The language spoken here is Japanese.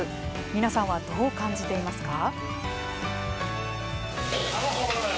皆さんは、どう感じていますか。